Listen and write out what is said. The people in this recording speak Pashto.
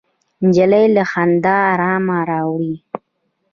نجلۍ له خندا ارام راوړي.